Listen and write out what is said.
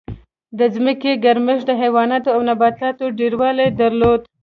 د ځمکې ګرمښت د حیواناتو او نباتاتو ډېروالی درلود.